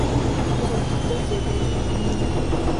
Los artistas The Devil In Mr.